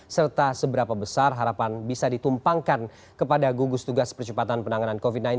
serta seberapa besar harapan bisa ditumpangkan kepada gugus tugas percepatan penanganan covid sembilan belas